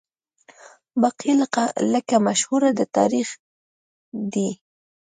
باقي لکه مشهوره ده تاریخ دی